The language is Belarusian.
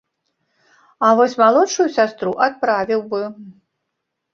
А вось малодшую сястру адправіў бы.